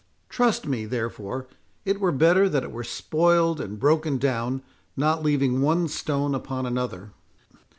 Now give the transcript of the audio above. Trust me, therefore, it were better that it were spoiled and broken down, not leaving one stone upon another."